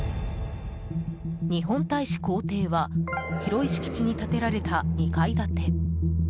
日本大使公邸は広い敷地に建てられた２階建て。